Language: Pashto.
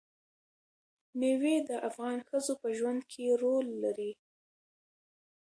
مېوې د افغان ښځو په ژوند کې رول لري.